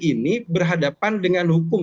ini berhadapan dengan hukum